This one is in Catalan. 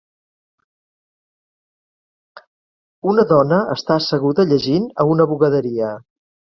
Una dona està asseguda llegint a una bugaderia.